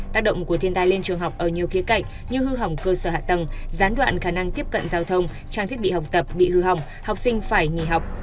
tác động của thiên tai lên trường học ở nhiều khía cạnh như hư hỏng cơ sở hạ tầng gián đoạn khả năng tiếp cận giao thông trang thiết bị học tập bị hư hỏng học sinh phải nghỉ học